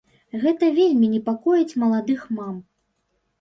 Гэта вельмі непакоіць маладых мам.